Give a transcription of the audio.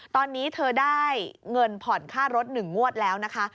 ตอนนี้เธอได้เงินผ่อนค่ารถ๑งวดแล้วนะคะ